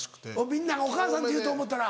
みんなが「お母さん」って言うと思うたら。